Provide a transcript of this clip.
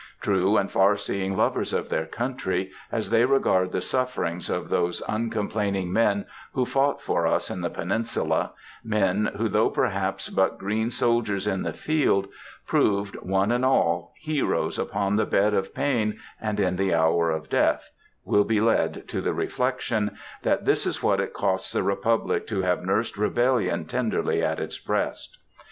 True and far seeing lovers of their country, as they regard the sufferings of those uncomplaining men who fought for us in the Peninsula,—men who, though perhaps but green soldiers in the field, proved, one and all, heroes upon the bed of pain and in the hour of death, will be led to the reflection, "This is what it costs a republic to have nursed rebellion tenderly at its breast."